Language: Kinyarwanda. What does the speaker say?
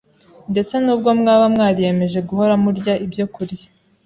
Ndetse nubwo mwaba mwariyemeje guhora murya ibyokurya